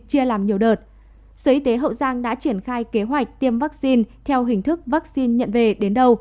chia làm nhiều đợt sở y tế hậu giang đã triển khai kế hoạch tiêm vaccine theo hình thức vaccine nhận về đến đâu